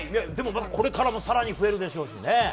これからも更に増えるでしょうしね。